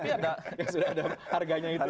sudah ada harganya itu